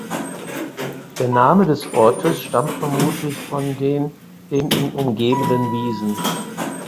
Der Name des Ortes stammt vermutlich von den den ihn umgebenden Wiesen.